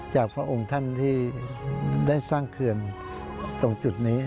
พระองค์ท่านที่ได้สร้างเขื่อนตรงจุดนี้